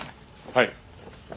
はい。